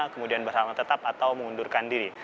kemudian berhalangan tetap atau mengundurkan diri